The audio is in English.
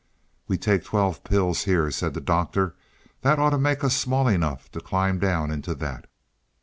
"We take twelve pills here," said the Doctor. "That ought to make us small enough to climb down into that."